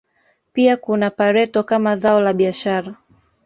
Pia kuna pareto kama zao la biashara